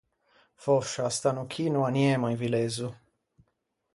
Fòscia st’anno chì no aniemo in villezzo.